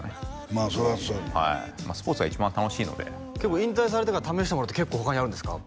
まあそりゃそうはいスポーツが一番楽しいので引退されてから試したものって結構他にあるんですか？